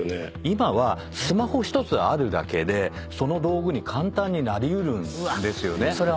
今はスマホ１つあるだけでその道具に簡単に成り得るんですよね。